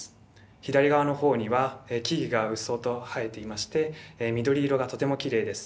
左側のほうには木々が鬱蒼と生えていまして緑色がとてもきれいです。